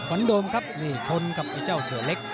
วันโดมครับนี่ชนกับไอ้เจ้าตัวเล็ก